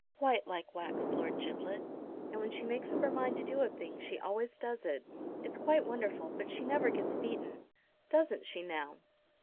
"Quite like wax, Lord Giblet. And when she makes up her mind to do a thing she always does it. It's quite wonderful; but she never gets beaten." "Doesn't she now?"